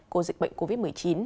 của dịch bệnh covid một mươi chín